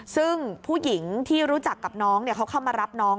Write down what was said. ซึ่งผู้หญิงที่รู้จักกับน้องเขาเข้ามารับน้อง